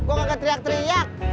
gue gak teriak teriak